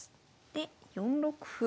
で４六歩。